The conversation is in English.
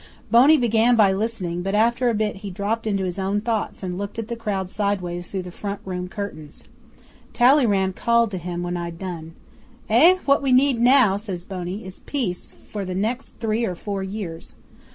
Boney began by listening, but after a bit he dropped into his own thoughts and looked at the crowd sideways through the front room curtains. Talleyrand called to him when I'd done. '"Eh? What we need now," says Boney, "is peace for the next three or four years."